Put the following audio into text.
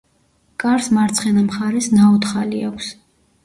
კარს მარცხენა მხარეს ნაოთხალი აქვს.